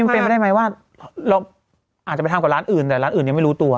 เป็นไปได้ไหมว่าเราอาจจะไปทำกับร้านอื่นแต่ร้านอื่นยังไม่รู้ตัว